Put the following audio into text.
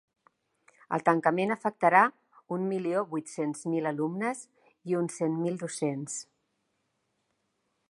El tancament afectarà un milió vuit-cents mil alumnes i uns cent mil docents.